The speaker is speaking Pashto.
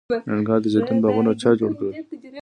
د ننګرهار د زیتون باغونه چا جوړ کړل؟